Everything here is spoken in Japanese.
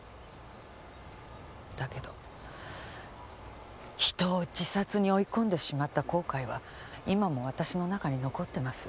だけど人を自殺に追い込んでしまった後悔は今も私の中に残ってます。